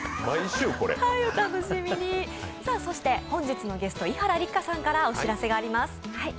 本日のゲスト伊原六花さんからお知らせがあります。